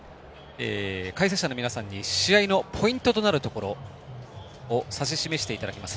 解説者の皆さんに試合のポイントとなるところを指し示していただきます